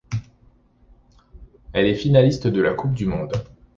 Il est finaliste de la Coupe du monde.